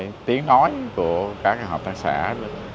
do đó là tiếng nói của các hợp tác xã còn hạn chế quy mô sản xuất nhỏ lẻ